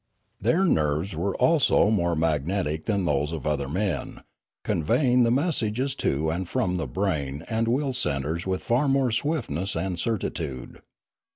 Their nerves were also more magnetic than those of other men, conveying the messages to and from the brain and will centres with far more swiftness and certitude.